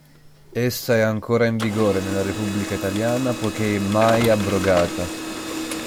Essa è ancora in vigore nella Repubblica Italiana poiché mai abrogata.